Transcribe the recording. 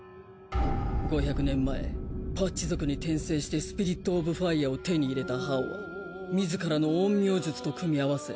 ５００年前パッチ族に転生してスピリットオブファイアを手に入れたハオは自らの陰陽術と組み合わせ